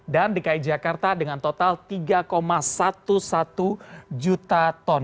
dan dki jakarta dengan total tiga sebelas juta ton